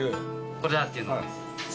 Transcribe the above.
これだ！っていうの。